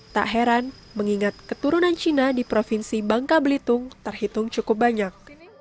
tak heran mengingat keturunan cina di provinsi bangka belitung terhitung cukup banyak